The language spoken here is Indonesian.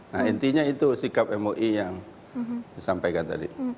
nah intinya itu sikap mui yang disampaikan tadi